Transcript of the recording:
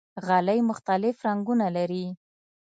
غالۍ مختلف رنګونه لري.